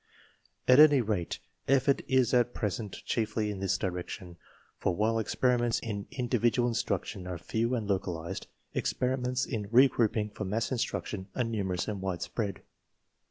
At any rate, effort is at present chiefly in this direction; for while experiments in indi \\\ J 18 TESTS AND SCHOOL REORGANIZATION vidufcl instruction are few and localized, experiments in re grouping for mass instruction are numerous and widespread.